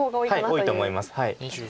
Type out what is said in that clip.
多いと思います。